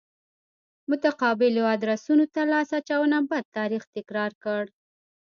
متقابلو ادرسونو ته لاس اچونه بد تاریخ تکرار کړ.